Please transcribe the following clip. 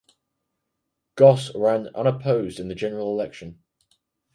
Goss ran unopposed in the general election.